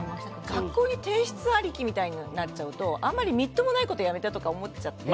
学校に提出ありきみたいなことだとあんまりみっともないことをやめてとか思っちゃって。